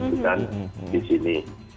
gitu kan di sini